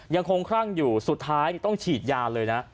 ยังคงคลั่งอยู่สุดท้ายต้องฉีดยาเลยนะ